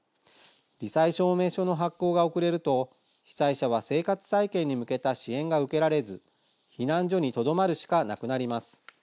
り災証明書の発行が遅れると被災者は生活再建に向けた支援が受けられず、避難所にとどまるしかなくなります。